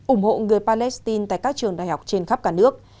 ủng hộ người palestine tại các trường đại học trên khắp cả nước